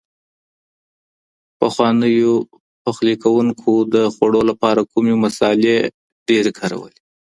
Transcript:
پخوانیو پخلی کوونکو د خوړو لپاره کومې مسالې ډېرې کارولې؟